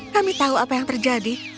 kami tahu apa yang terjadi